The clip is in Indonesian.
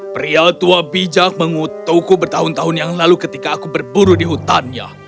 pria tua bijak mengutukku bertahun tahun yang lalu ketika aku berburu di hutannya